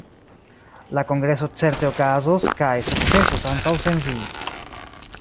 La kongreso certe okazos kaj sukcesos ankaŭ sen Vi.